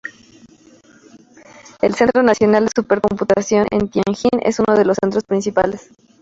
El "Centro nacional de supercomputación en Tianjin" es uno de los centros principales.